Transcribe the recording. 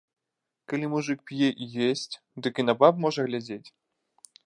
Калі мужык п'е і есць, дык і на баб можа глядзець!